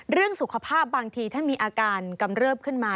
เรื่องสุขภาพบางทีถ้ามีอาการกำเริบขึ้นมา